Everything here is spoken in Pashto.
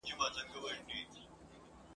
زه بيريږم، چي شرموښ به هغه وخوري.